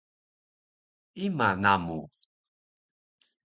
Ima namu?